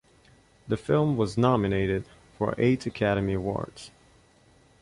The film was nominated for eight Academy Awards.